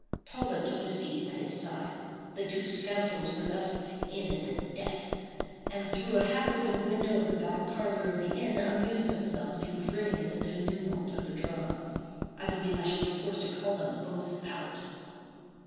Talbot took a seat at his side. The two scoundrels were thus "in at the death," and through a half open window of the back parlor of the inn, amused themselves in grinning at the dénouement of the drama. I believe I shall be forced to call them both out.